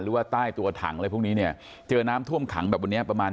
หรือว่าใต้ตัวถังอะไรพวกนี้เนี่ยเจอน้ำท่วมขังแบบวันนี้ประมาณ